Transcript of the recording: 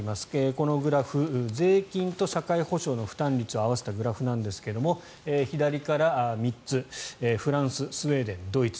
このグラフ税金と社会保障の負担率を合わせたグラフなんですが左から３つフランス、スウェーデン、ドイツ